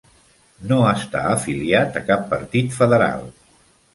No està afiliat a cap partit federal.